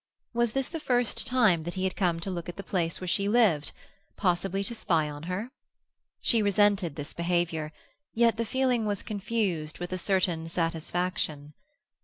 Was this the first time that he had come to look at the place where she lived—possibly to spy upon her? She resented this behaviour, yet the feeling was confused with a certain satisfaction.